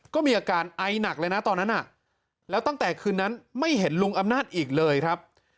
ก็มีอาการไอหนักเลยนะตอนนั้นน่ะแล้วตั้งแต่คืนนั้นไม่เห็นลุงอำนาจอีกเลยครับ